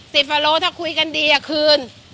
สิบกว่าโลถ้าคุยกันดีอ่ะคืน